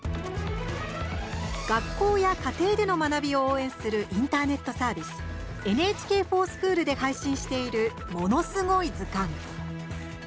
学校や家庭での学びを応援するインターネットサービス「ＮＨＫｆｏｒＳｃｈｏｏｌ」で配信している「ものすごい図鑑」。